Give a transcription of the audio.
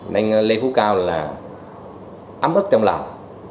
nên lê phú cao là ấm ức trong lòng